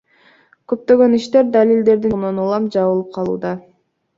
Көптөгөн иштер далилдердин жоктугунан улам жабылып калууда.